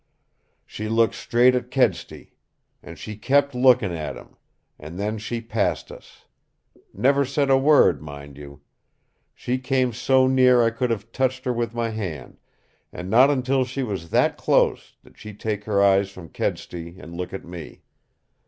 "She looked straight at Kedsty, and she kept looking at him and then she passed us. Never said a word, mind you. She came so near I could have touched her with my hand, and not until she was that close did she take her eyes from Kedsty and look at me.